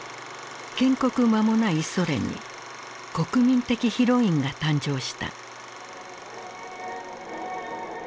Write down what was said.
建国まもないソ連に国民的ヒロインが誕生した。